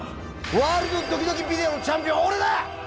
ワールドドキドキビデオのチャンピオンは俺だ！